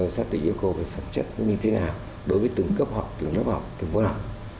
xác định yêu cầu về phẩm chất nó như thế nào đối với từng cấp học từng lớp học từng môn học